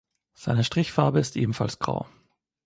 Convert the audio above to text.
Seine Strichfarbe ist ebenfalls grau.